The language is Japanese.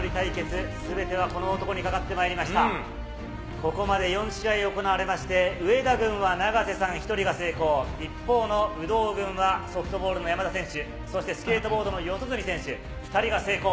ここまで４試合行われまして、上田軍は永瀬さん１人が成功、一方の有働軍は、ソフトボールの山田選手、そしてスケートボードの四十住選手、２人が成功。